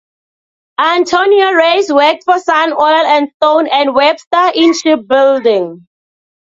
Antonio Reyes worked for Sun Oil and Stone and Webster in shipbuilding.